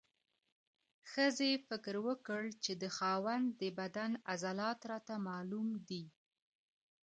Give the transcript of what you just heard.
ښځې فکر وکړ چې د خاوند د بدن عضلات راته معلوم دي.